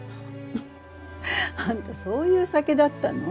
フッあんたそういう酒だったの？